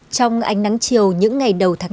trong ánh nắng chiều những ngày đầu tháng tám